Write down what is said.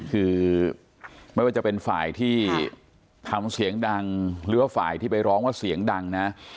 คือไม่ว่าจะเป็นฝ่ายที่ทำเสียงดังหรือว่าฝ่ายที่ไปร้องว่าเสียงดังนะ